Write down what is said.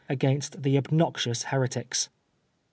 " against the obnoxious heretics.